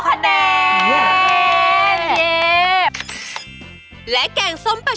เป็นอย่างไรครับ